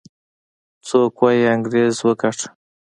څوک وايي انګريز وګاټه.